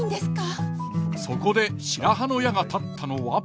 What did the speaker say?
そこで白羽の矢が立ったのは。